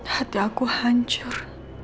hati aku hancur